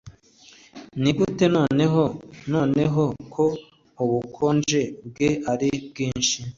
nigute noneho noneho ko ubukonje bwe ari bwinshi